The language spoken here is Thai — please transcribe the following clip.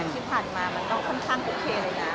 ที่ผ่านมามันก็ค่อนข้างโอเคเลยนะ